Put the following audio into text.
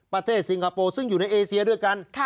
ซิงคโปร์ซึ่งอยู่ในเอเซียด้วยกัน